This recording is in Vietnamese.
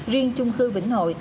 riêng chung cư vĩnh hội